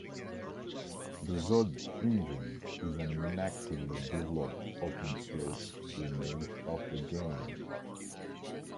The Zod Engine is an actively developed open source remake of the game.